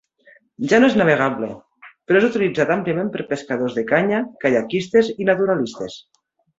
Ja no és navegable, però és utilitzat àmpliament per pescadors de canya, caiaquistes i naturalistes.